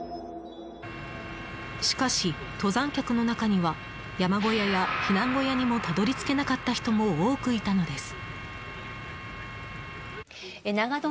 しかし、登山客の中には山小屋や避難小屋にもたどり着けなかった人も多くいたのです。